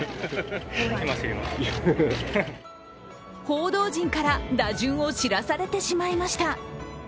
報道陣から打順を知らされてしまいました。